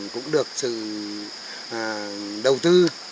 cũng được sự đầu tư